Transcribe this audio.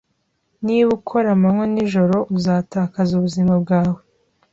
Niba ukora amanywa n'ijoro, uzatakaza ubuzima bwawe